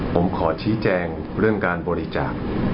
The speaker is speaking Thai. ผมขอชี้แจงเรื่องการบริจาค